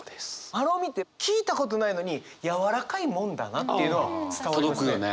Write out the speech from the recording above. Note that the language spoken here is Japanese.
まろみって聞いたことないのにやわらかいもんだなっていうのは伝わりますよね。